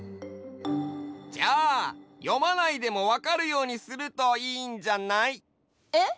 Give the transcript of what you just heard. じゃあ読まないでもわかるようにするといいんじゃない？えっ？